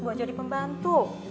buat jadi pembantu